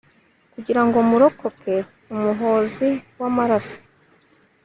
kugira ngo murokoke umuhozi w'amaraso